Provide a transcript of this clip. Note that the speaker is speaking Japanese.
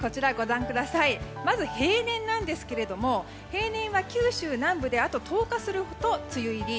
まず平年ですが平年は九州南部であと１０日ほどすると梅雨入り。